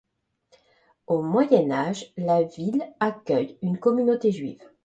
Au Moyen Âge la ville accueille une communauté juive.